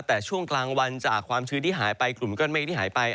แต่ช่วงกลางวันจากความชื้นที่หายไปกลุ่มก้อนเมฆที่หายไป